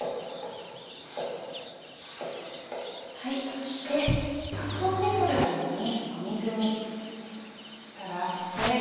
そしてアクを取るために水にさらして。